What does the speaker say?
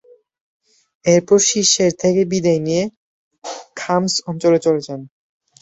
এরপর শিষ্যের থেকে বিদায় নিয়ে খাম্স অঞ্চলে চলে যান।